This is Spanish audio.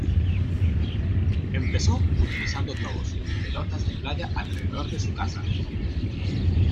Empezó utilizando globos y pelotas de playa alrededor de su casa.